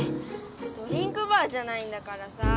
ドリンクバーじゃないんだからさぁ。